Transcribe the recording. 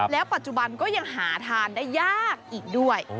แล้วปัจจุบันก็ยังหาทานได้ยากอีกด้วย